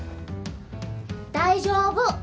大丈夫！